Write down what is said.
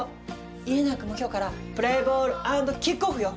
家長くんも今日からプレイボール＆キックオフよ。